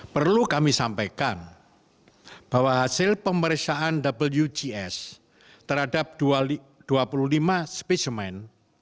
perlu kami sampaikan bahwa hasil pemeriksaan wgs terhadap dua puluh lima spesimen